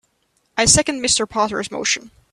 I second Mr. Potter's motion.